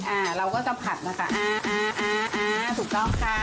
อ่าเราก็จะผัดนะคะอ่าอ่าอ่าอ่าอ่าถูกต้องค่ะ